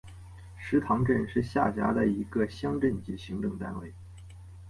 石塘镇是下辖的一个乡镇级行政单位。